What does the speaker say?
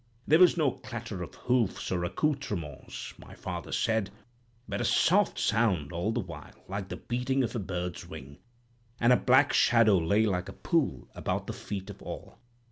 There was no clatter of hoofs or accoutrements, my father said, but a soft sound all the while like the beating of a bird's wing; and a black shadow lay like a pool about the feet of all.